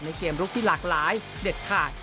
เกมลุกที่หลากหลายเด็ดขาด